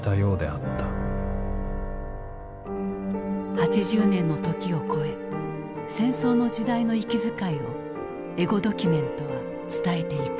８０年の時を超え戦争の時代の息遣いをエゴドキュメントは伝えていく。